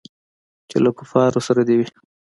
چې له کفارو سره دې وي.